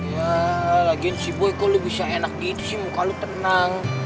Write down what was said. ya lagian sih boy kok lo bisa enak gitu sih muka lo tenang